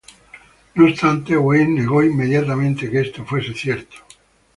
No obstante Wayne negó inmediatamente que esto fuese cierto.